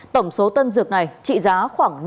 tổng số tân dược này trị giá khoảng năm tỷ đồng